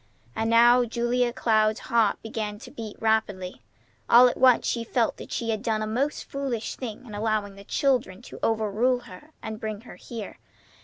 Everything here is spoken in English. And now Julia Cloud's heart began to beat rapidly. All at once she felt that she had done a most foolish thing in allowing the children to overrule her and bring her here.